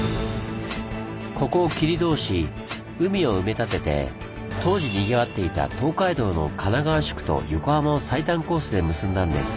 ここを切り通し海を埋め立てて当時にぎわっていた東海道の神奈川宿と横浜を最短コースで結んだんです。